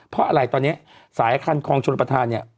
เพราะอะไรตอนนี้สายคันคลองชนประธานเนี่ย